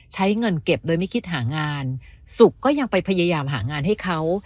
ใช้เงินเก็บโดยไม่คิดหางานสุขก็ยังไปพยายามหางานให้เขา